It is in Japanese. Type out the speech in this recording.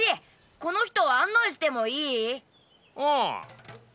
この人を案内してもいい？ああ。